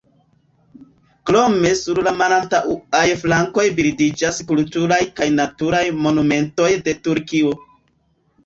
Krome sur la malantaŭaj flankoj bildiĝas kulturaj kaj naturaj monumentoj de Turkio.